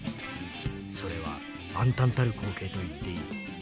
それは暗たんたる光景と言っていい。